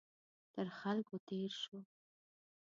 تر خلکو تېر شو.